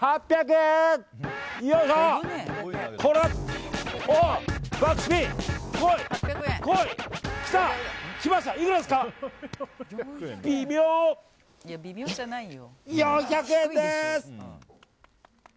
４００円です。